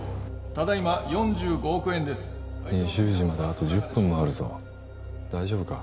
ただいま４５億円です２０時まであと１０分もあるぞ大丈夫か？